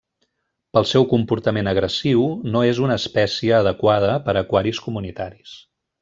Pel seu comportament agressiu, no és una espècie adequada per a aquaris comunitaris.